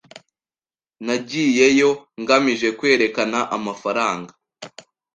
Nagiyeyo ngamije kwerekana amafaranga